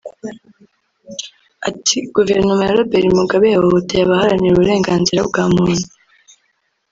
Ati “Guverinoma ya Robert Mugabe yahohoteye abaharanira uburenganzira bwa muntu